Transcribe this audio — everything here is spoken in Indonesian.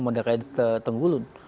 model kredit tenggulun